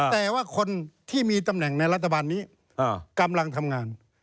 แต่ว่าคนที่มีตำแหน่งในรัฐบาลนี้กำลังทำงาน